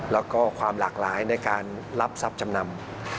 แล้วก็ความหลากหลายในการรับทรัพย์จำนำ